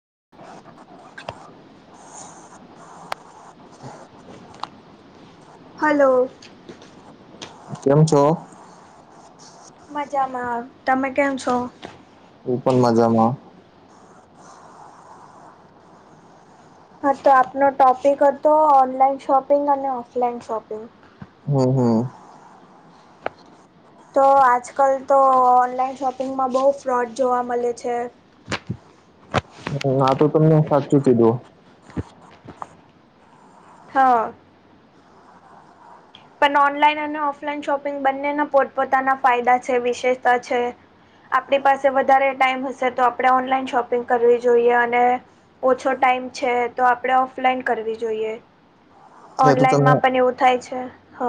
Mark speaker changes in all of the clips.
Speaker 1: [unintelligible] [unintelligible]
Speaker 2: Hello
Speaker 1: કેમ છો
Speaker 2: મજામાં આવ તમે કેમ છો
Speaker 1: એ પણ મજામાં
Speaker 2: હા તો આપનો ટોપિક હતો ઓનલાઈન શોપિંગ અને ઓફલાઈન શોપિંગ
Speaker 1: હમ હમ
Speaker 2: તો આજકાલ તો ઓનલાઈન શોપિંગમાં બહુ ફ્રોડ જોવા મળે છે.
Speaker 1: આ તો તમને સાચું કીધું
Speaker 2: હા પણ ઓનલાઈન અને ઓફલાઈન શોપિંગ બંનેના પોતપોતાના ફાયદા છે, વિશેષતા છે. આપણી પાસે વધારે ટાઈમ હશે તો આપણે ઓનલાઈન શોપિંગ કરવી જોઈએ અને ઓછો ટાઈમ છે, તો આપણે ઓફલાઈન કરવી જોઈએ
Speaker 1: એ તો
Speaker 2: ઓનલાઈન
Speaker 1: તમે
Speaker 2: માં પણ એવું થાય છે હ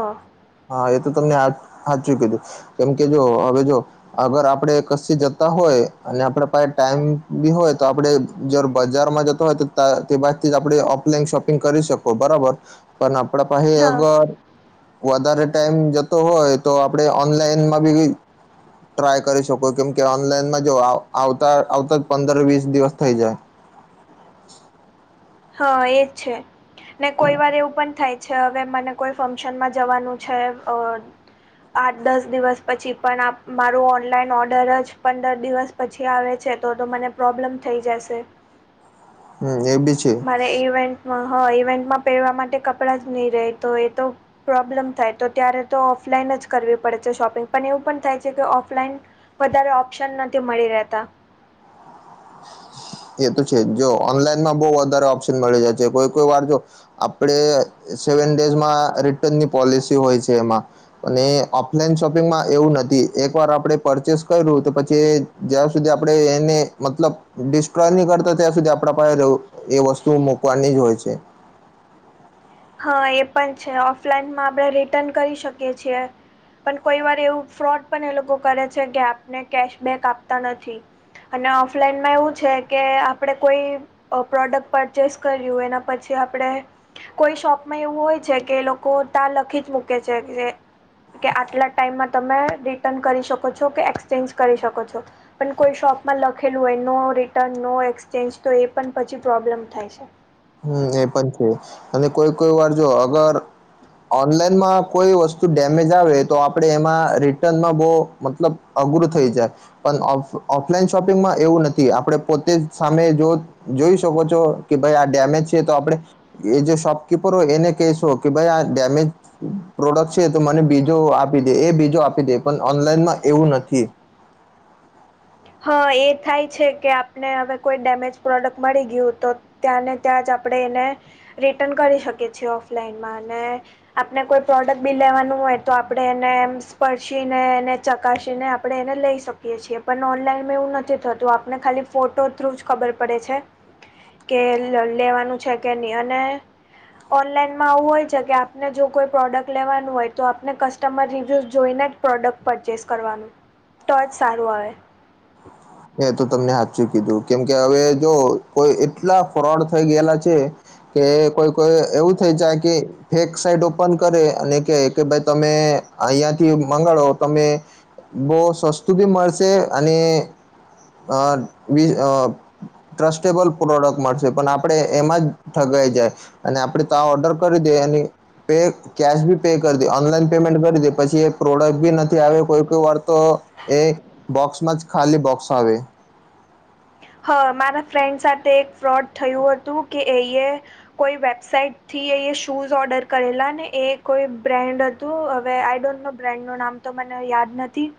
Speaker 1: હા એ તો તમને સાચું કીધું કેમ કે જો હવે જો અગર આપણે કશછી જતા હોય અને આપડ પાસે ટાઈમ બી હોય તો આપડે જ બજારમાં જ તે બાદથી આપણે ઓફલાઈન શોપિંગ કરી શકો બરાબર પણ આપડ પાસે
Speaker 2: હ
Speaker 1: અગર વધારે ટાઈમ જતો હોય તો આપણે ઓનલાઈન માં બી ટ્રાય કરી શકો કેમ કે ઓનલાઈનમાં જો આવતા આવતા જ પંદર વીસ દિવસ થઈ જાય
Speaker 2: હા એજ છે ને કોઈ વાર એવું પણ થાય છે હવે મને કોઈ ફંક્શનમાં જવાનું છે. આઠ દસ દિવસ પછી પણ આપ મારો ઓનલાઈન ઓર્ડર જ પંદર દિવસ પછી આવે છે, તો તો મને પ્રોબ્લેમ થઈ જશે
Speaker 1: હમ એ બી છે
Speaker 2: મારે ઇવેન્ટમાં હ ઇવેન્ટમાં પહેરવા માટે કપડાં જ નહીં રહે તો એ તો પ્રોબ્લેમ થાય તો ત્યારે તો ઓફલાઈન જ કરવી પડે છે, શોપિંગ પણ એવું પણ થાય છે, કે ઓફલાઈન વધારે ઓપ્શન નથી મળી રહેતા
Speaker 1: એ તો છે, જો ઓનલાઈનમાં બહ વધારે ઓપ્શન મળી જાય છે, કોઈ કોઈ વાર જો આપણે સેવન ડેઝમાં રિટર્નની પોલિસી હોય છે, એમાં અને ઓફલાઈન શોપિંગમાં એવું નથી એક વાર આપણે પરચેસ કર્યું તો પછી જ્યાં સુધી આપડે એને મતલબ ની કરતા ત્યાં સુધી આપણા પાસે એ વસ્તુ મૂકવાની જ હોય છે.
Speaker 2: હા એ પણ છે ઓફલાઈનમાં આપણે રિટર્ન કરી શકીએ છીએ પણ કોઈ વાર એવું ફ્રોડ પણ એ લોકો કરે છે, કે આપને કેશબેક આપતા નથી અને ઓફલાઈનમાં એવું છે કે આપડે કોઈ પ્રોડક્ટ પરચેસ કર્યું એના પછી આપણે કોઈ શોપમાં એવું હોય છે કે એ લોકો ત લખી જ મૂકે છે જે કે આટલા ટાઈમમાં તમે રિટર્ન કરી શકો છો કે એક્સચેન્જ કરી શકો છો. પણ કોઈ શોપમાં લખેલું હોય નો રિટર્ન નો એક્સચેન્જ તો એ પણ પછી પ્રોબ્લેમ થાય છે.
Speaker 1: હમ એ પણ છે અને કોઈ કોઈ વાર જો અગર ઓનલાઈનમાં કોઈ વસ્તુ ડેમેજ આવે તો આપણેે એમાં રિટર્નમાં બહ મતલબ અઘરું થઈ જાય પણ ઓફલાઈન શોપિંગમાં એવું નથી આપણે પોતે સામે જો જોઈ શકો છો કે ભાઈ આ ડેમેજ છે તો આપડણે એ જે શોપકીપર હો એને કેસ હો કે ભાઈ ડેમેજ પ્રોડક્ટ છે. તો મને બીજો આપી દે એ બીજો આપી દે પણ ઓનલાઈનમાં એવું નથી.
Speaker 2: હા એ થાય છે કે આપને હવે કોઈ ડેમેજ પ્રોડક્ટ મળી ગયું તો ત્યાંને ત્યાં જ આપણે એને રિટર્ન કરી શકીએ છીએ ઓફલાઈનમાં અને આપણે કોઈ પ્રોડક્ટ બી લેવાનું હોય તો આપણે એને સ્પર્શીને એને ચકાસીને આપણે એને લઈ શકીએ છીએ પણ ઓનલાઈનમાં એવું નથી થતું આપને ખાલી ફોટો થ્રુ જ ખબર પડે છે. કે લેવાનું છે કે નહી અને ઓનલાઈનમાં આવું હોય છે કે આપને જો કોઈ પ્રોડક્ટ લેવાનું હોય તો આપને કસ્ટમર રિવ્યૂઝ જોઈને જ પ્રોડક્ટ પરચેસ કરવાનું તો જ સારું આવે.
Speaker 1: તો તમને હાચું કીધું કેમકે હવે જો કોઈ એટલા ફ્રોડ થઈ ગયેલા છે કે કોઈ કોઈ એવું થઈ જાય કે ફેક સાઈટ ઓપન કરે અને કે કે ભાઈ તમે અહિયાંથી મંગાડો તમે બહુ સસ્તું બી મળશે અને અ બી ટ્રસ્ટેબલ પ્રોડક્ટ મળશે પણ આપડ એમાં જ ઠગાઈ જાય અને આપડે તો આ ઓર્ડર કરી દે એ પે કેશ બી પે કરી દે ઓનલાઈન પેમેન્ટ કરી દે પછી એ પ્રોડક્ટ બી નથી આવે કોઈ કોઈ વાર તો એ બોક્સમાં જ ખાલી બોક્સ આવે.
Speaker 2: હા મારા ફ્રેન્ડ સાથે એક ફ્રોડ થયું હતું કે એ કોઈ વેબસાઈટથી એ શૂઝ ઓર્ડર કરેલા ને એ કોઈ બ્રેન્ડ તો હવે આઈ ડોન્ટ નો બ્રાન્ડ નું નામ તો મને યાદ નથી.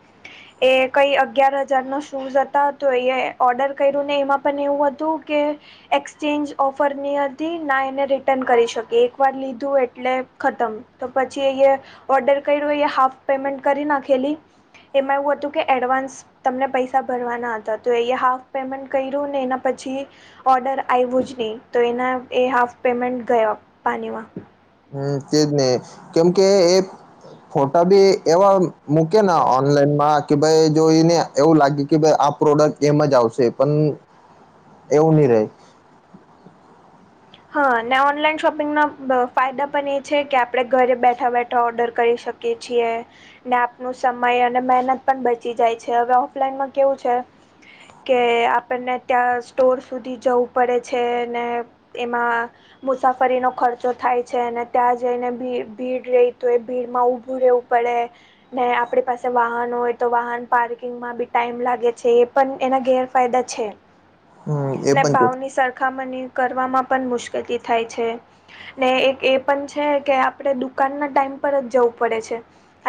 Speaker 2: એ કઈ અગિયાર હજાર નો શૂઝ હતા તો એ ઓર્ડર કર્યું ને એમાં પણ એવું હતું કે એક્સચેન્જ ઓફરની હતી ના એને રિટર્ન કરી શકી એક વાર લીધું એટલે ખતમ. તો પછી અયા ઓર્ડર કર્યો હાફ પેમેન્ટ કરી નાખેલી એમાં એવું હતું કે એડવાન્સ તમને પૈસા ભરવાના હતા તો એયા હાફ પેમેન્ટ કર્યું ને એના પછી ઓર્ડર આવું જ નહીં તો એના એ હાફ પેમેન્ટ ગયા પાનીમાં.
Speaker 1: હમ તેજ નહી કેમ કે એ ફોટા બી એવા મુું કે ના ઓનલાઈન માં કે ભાઈ જોઈને એવું લાગે કે ભાઈ આ પ્રોડક્ટ એમ જ આવશે પણ એવું ની રે.
Speaker 2: હા ને ઓનલાઈન શોપિંગના ફાયદા પણ એ છે કે આપડણે ઘરે બેઠા બેઠા ઓર્ડર કરી શકી કે છીએ ને આપનું સમય અને મહેનત પણ બચી જાય છે. હવે ઓફલાઈનમાં કેવું છે કે આપણને ત્યાં સ્ટોર સુધી જવું પડે છે ને તેમાં મુસાફરીનો ખર્ચો થાય છે અને ત્યાં જઈને ભીડ રહી તો એ ભીડમાં ઉભું રહેવું પળે ને આપણી પાસે વાહનો હોય તો વાહન પાર્કિંગમાં બી ટાઈમ લાગે છે એ પણ એના ગેરફાયદા છે.
Speaker 1: હમ એ
Speaker 2: ને
Speaker 1: પણ છે
Speaker 2: ભાવની સરખામણી કરવામાં પણ મુશ્કેલી થાય છે. ને એક એ પણ છે કે આપણે દુકાન ના ટાઈમ પર જ જવું પડે છે.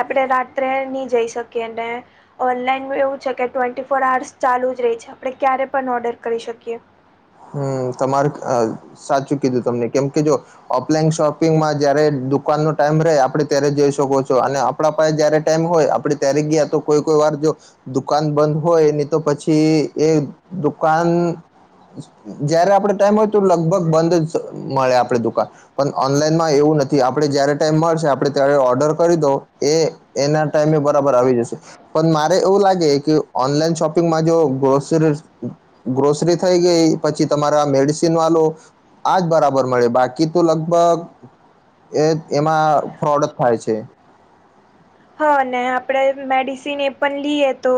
Speaker 2: આપણે રાત્રે નહી જઈ શકીએ અને ઓનલાઈન એવું છે, કે ટ્વેન્ટી ફોર આર્સ ચાલુ જ રહી છે, આપડણે ક્યારે પણ ઓર્ડર કરી શકીએ
Speaker 1: હમ તમારે સાચું કીધું તમને કેમ કે જો ઓફલાઈન શોપિંગમાં જયારે દુકાન ન ટાઈમ રહે આપડે ત્યારે જઈ શકો છો, અને આપડા પાાયે જ્યારે ટાઈમ હોય, આપણે ત્યારે ગયા તો કોઈ કોઈ વાર જો દુકાન બંધ હોય, એની તો પછી એ દુકાન જયારે આપડ ટાઈમ હોય, તો લગભગ બંધ જ મળે આપણે દુકાન પણ ઓનલાઈન માં એવું નથી આપણે જય્યારે ટાઈમ મળશે આપણે ત્યારે ઓર્ડર, કરી દો એ એના ટાઈમે બરાબર આવી જશે પણ મારે એવું લાગે કે ઓનલાઈન શોપિંગમાં, જો ગ્રોસરી ગ્રોસરી થઈ ગઈ પછી તમારા મેડિસિન, વાો આજ બરાબર મળે બાકી તો લગભગ એ એમાં ફ્રોડ જ થાય છે.
Speaker 2: હા ને આપણેે મેડિસિન એ પણ લઈએ તો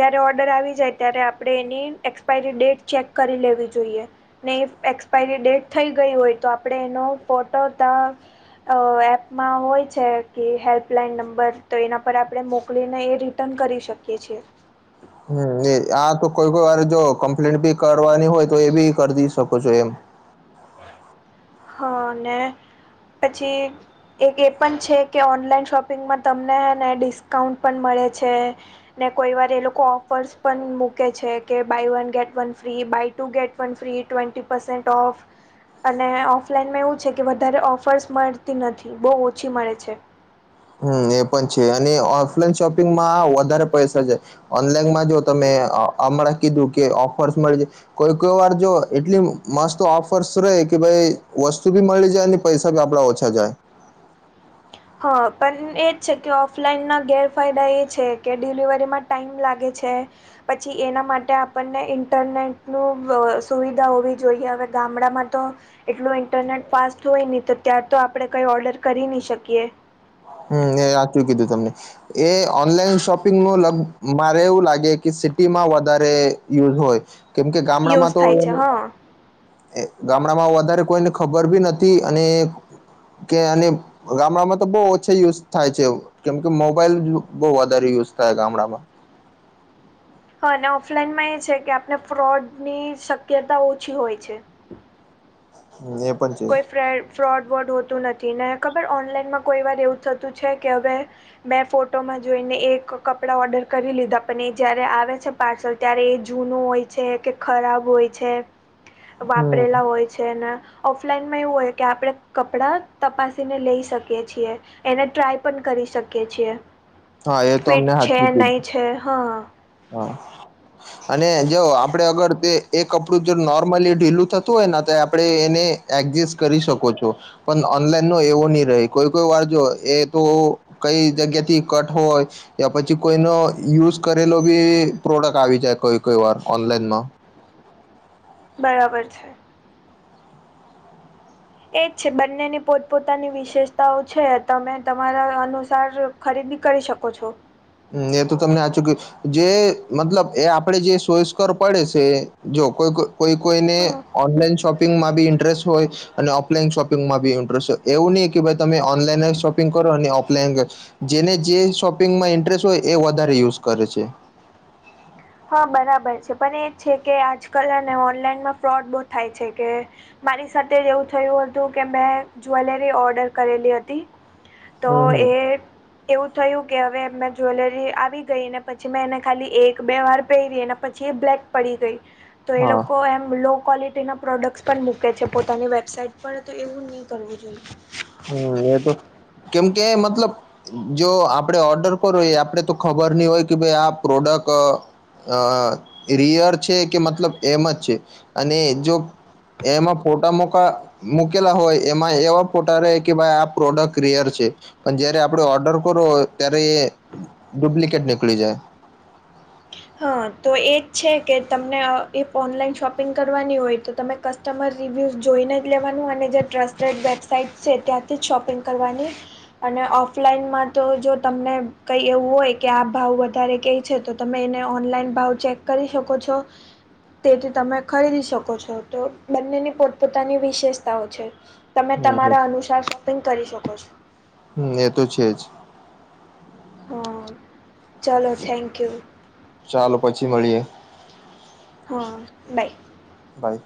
Speaker 2: જયારે ઓર્ડર આવી જાય, ત્યારે આપણે એની એક્સપાયરી ડેટ ચેક કરી લેવી જોઈએ ને એક્સપાયરી ડેટ થઈ ગઈ હોય, તો આપડે એનો ફોટો ત અ એપમાં હોય છે, કે હેલ્પલાઈન નંબર બર તો એના પર આપણે મોકલીને એ રિટર્ન કરી શકીએ છીએ.
Speaker 1: હમ્મ એ આ તો કોઈ કોઈ વાર જો કમ્પ્લેન બી કરવાની હોય તો એ બી કરી શકો છો, એમ
Speaker 2: હા, અનેને પછી એક એ પણ છે. કે ઓનલાઈન શોપિંગમાં તમને ને ડિસ્કાઉન્ટ પણ મળે છે. ને કોઈ વાર એ લોકો ઓફર્સ પણ મૂકે છે, કે buy one get one free buy two get free ટવે ઓફ અને ઓફ ઓફલાઈનમાં એવું છે. કે વધારે ઓફર્સ મળતી નથી બહુ ઓછી મળે છે.
Speaker 1: હમ એ પણ છે, અને ઓફલાઈન શોપિંગમાં વધારે પૈસા છે. ઓનલાઈનમાં જો, તમે હમણાં કીધું કે ઓફર્સ મળી જ કોઈ કોઈ વાર જો એટલી મસ્ત ઓફર્સ રહેે, કે ભાઈ વસ્તુ ભી મળી જાય પૈસા ભી આપડા ઓછા જાય
Speaker 2: હા, પણ એ જ છે. કે ઓફલાઈનના ગેરફાયદા એ છે કે ડિલિવરીમાં ટાઈમ લાગે છે. પછી એના માટે આપણને ઇન્ટરનેટનું સુવિધા હોવી જોઈએ, હવે ગામડામાં તો એટલું ઇન્ટરનેટ ફાસ્ટ હોય નહી, તો ત્યાાર તો આપણે કઈ ઓર્ડર કરી નહી શકીએ
Speaker 1: હમ એ આચું કીધું તમને એ ઓનલાઈન શોપિંગ નગ મારે એવું લાગે કે સિટીમાં વધારે યુઝ હોય. કેમ કે
Speaker 2: યુઝ
Speaker 1: ગામડામાં તો
Speaker 2: થાય
Speaker 1: એ
Speaker 2: છે હા
Speaker 1: એ ગામડામાં વધારે કોઈને ખબર બી નથી, અને કે અને ગામડામાં તો બહ યુઝ થાય છે, કેમ કે મોબાઈલ બહ વધારે યુઝ થાય ગામડામાં
Speaker 2: હા અને ઓફલાઈનમાં એ છે, કે આપણે ફ્રોડ ની શક્યતા ઓછી હોય છે.
Speaker 1: હ એ પણ
Speaker 2: કોઈ ફ ફ્રોડ વર્ડ હોતું નથી ને ખબર ઓનલાઈનમાં કોઈ વાર એવું થતું છે. કે હવે મેં ફોટોમાં જોઈને એક કપડા ઓર્ડર કરી લીધા પણ એ જયારે આવે છે. પાર્સલ ત્યારે એ જૂનું હોય છે, કે ખરાબ હોય છે.
Speaker 1: છે
Speaker 2: વાપરેલા હોય છેને. ઓફલાઈનમાં એવું હોય, કે આપણે કપડાં તપાસીને લઈ શકીએ છીએ એને ટ્રાય પણ કરી શકીએ છીએ
Speaker 1: હા એ તો અમને
Speaker 2: ફિટ છે,
Speaker 1: હાચું કીધું
Speaker 2: નહી. છે હા
Speaker 1: હા અને જોવ આપડે અગર તે એ કપડું જો નોર્મલી ઢીલું થતું હોય, ને તો આપણે એને એડજસ્ટ કરી શકો છો, પણ ઓનલાઈન નો એવો નહી રહે કોઈ કોઈ વાર જોો એ તો કઈ જગ્યા થી કટ હોય યા પછી કોઈનો યુઝ કરેલો બ પ્રોડક્ટ આવી જાય કોઈ કોઈ વાર ઓનલાઈનમાં
Speaker 2: બરાબર છે. એજ છે બંનેની પોતપ પોતાની વિશેષતાઓ છે તમે તમારા અનુસાર ખરીદી કરી શકો છો.
Speaker 1: હ એ તો તમને આ ચુ કે જે મતલબ એ આપડે જે સોયસ્કર પડે છે જો કોઈ. કોઈ કોઈને
Speaker 2: હા
Speaker 1: ઓનલાઈન શોપિંગમાં બી ઇન્ટરેસ્ટ હોય અને ઓફલાઈન શોપિંગમાં બી ઇન્ટરેસ્ટ હોય એવું નહીં કે ભાઈ તમે ઓનલાઈન શોપિંગ કરો અને ઓફલાઈન જેને જે શોપિંગમાં ઇન્ટરેસ્ટ શું એ વધારે યુઝ કરે છે.
Speaker 2: હા બરાબર છે. પણ એ છે કે આજકાલને ઓનલાઈનમાં ફ્રોડ બહુ થાય છે કે મારી સાથે જ એવું થયું હતું કે મેં જવેલરી ઓર્ડર કરેલી હતી. તો
Speaker 1: હમ હમ
Speaker 2: એ એવું થયું કે હવે મેં જ્વેલરી આવી ગઈ ને પછી મેં એને ખાલી એક બે વાર પહેરી અને પછી એ બ્લેક પડી ગઈ. તો એ
Speaker 1: હા.
Speaker 2: લોકો એમ લો ક્વોલિટી તેના પ્રોડક્ટ્સ પણ મૂકે છે. પોતાની વેબસાઇટ પર તો એવું ની કરવું જોઈએ.
Speaker 1: હમ એ તો કેમ કે મતલબ જો આપડે ઓર્ડર કરો. એ આપડે તો ખબર નહી હોય કે ભાઈ આ પ્રોડક્ટ અ રિયર છે કે મતલબ એમ જ છે. અને જો એમાં ફોટા મોકા મૂકેલા હોય એમાં એવા ફોટા રેય કે ભાઈ આ પ્રોડક્ટ રિયર છે. પણ જયારે આપડે ઓર્ડર કરો ત્યારે એ ડુપ્લિકેટ નીકળી જાય.
Speaker 2: હા તો એજ છે કે તમને એ ઓનલાઈન શોપિંગ કરવાની હોય તો તમે કસ્ટમર રિવ્યૂઝ જોઈને. જ લેવાનું અને જે ટ્રસ્ટેડ વેબસાાઈટ છે ત્યાંથી જ શોપિંગ કરવાની. અને ઓફલાઈનમાં તો જો તમને કઈ એવું હોય કે આ ભાવ વધારે કેય છે. તો તમે એને ઓનલાઈન ભાવ ચેક કરી શકો છો. તેથી તમે ખરીદી શકો છો. તો બંનેની પોતપોતાની વિશેષતાઓ છે. તમે
Speaker 1: હમ
Speaker 2: તમારા અનુસાર શોપિંગ કરી શકો છો.
Speaker 1: હમ એ તો છે જ.
Speaker 2: હા ચાલો થેન્ક યુ.
Speaker 1: ચાલો પછી મળીએ.
Speaker 2: હા બાય.
Speaker 1: ભાઈ